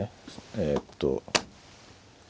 えっと。